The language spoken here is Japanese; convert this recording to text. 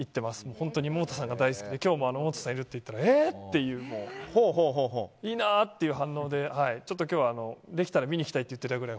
本当に百田さんが大好きで今日も百田さんがいると言ったらええっていいなという反応で今日は、できたら見に来たいと言ってたぐらい。